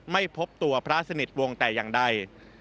ไม่พบตัวพระสนิทวงศ์แต่อย่างใด